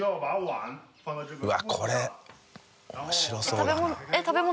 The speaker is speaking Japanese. うわっこれ面白そうだな。